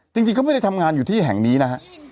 จริงก็ไม่ได้ทำงานอยู่ที่แห่งนี้นะฮะ